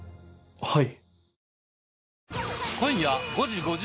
はい。